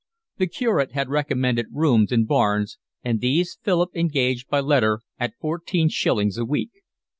The curate had recommended rooms in Barnes, and these Philip engaged by letter at fourteen shillings a week.